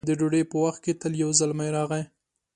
د ډوډۍ په وخت کلا ته يو زلمی راغی